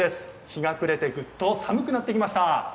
日が暮れてぐっと寒くなってきました。